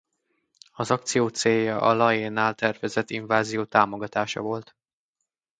Az akció célja a Laénál tervezett invázió támogatása volt.